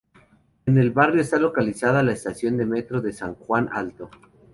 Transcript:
En el barrio, está localizada la Estación de Metro de San Juan Alto.